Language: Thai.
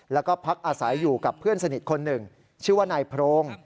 แล้วก็พักอาศัยอยู่กับเพื่อนสนิทคนหนึ่งชื่อว่านายโพรง